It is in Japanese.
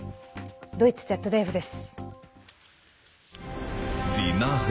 ドイツＺＤＦです。